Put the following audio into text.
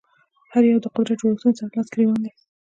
هر یو د قدرت جوړښتونو سره لاس ګرېوان دي